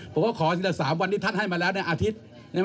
ขอทีละ๓วันที่ท่านให้มาแล้วในอาทิตย์